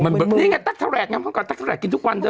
มันเบลอนี่ไงตั๊กทะแหลกนะเมื่อก่อนตั๊กทะแหลกกินทุกวันเถอะ